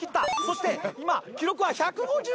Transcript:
そして今記録は１５８枚。